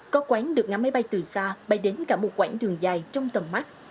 có quán được ngắm máy bay từ xa bay đến cả một quãng đường dài trong tầm mắt